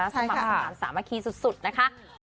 สมัครสมาธิสามัคคีสุดนะคะ